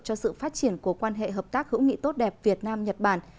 cho sự phát triển của quan hệ hợp tác hữu nghị tốt đẹp việt nam nhật bản